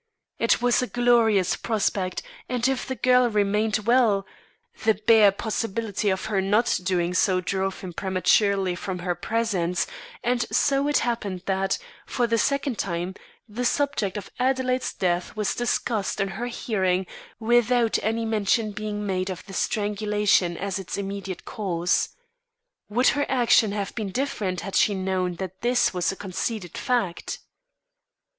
It was a glorious prospect, and if the girl remained well the bare possibility of her not doing so, drove him prematurely from her presence; and so it happened that, for the second time, the subject of Adelaide's death was discussed in her hearing without any mention being made of strangulation as its immediate cause. Would her action have been different had she known that this was a conceded fact?